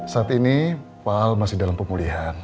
saat ini pal masih dalam pemulihan